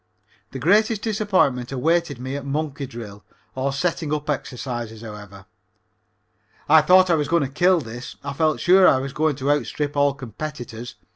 The greatest disappointment awaited me at "Monkey Drill," or setting up exercises, however. I thought I was going to kill this. I felt sure I was going to outstrip all competitors.